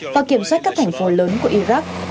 và kiểm soát các thành phố lớn của iraq